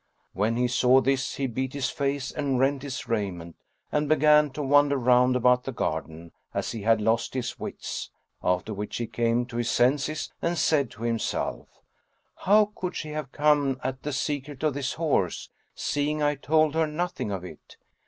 When he saw this, he beat his face, and rent his raiment and began to wander round about the garden, as he had lost his wits; after which he came to his senses and said to himself, "How could she have come at the secret of this horse, seeing I told her nothing of it?